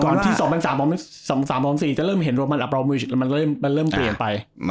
ก่อนที่๒๐๐๓๒๐๐๔จะเริ่มเห็นรวมมันอัพรอมมิวิชแล้วมันเริ่มเปลี่ยนไป